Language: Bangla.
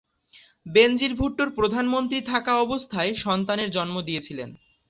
বেনজির ভুট্টোর প্রধানমন্ত্রী থাকা অবস্থায় সন্তানের জন্ম দিয়েছিলেন।